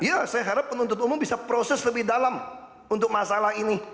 ya saya harap penuntut umum bisa proses lebih dalam untuk masalah ini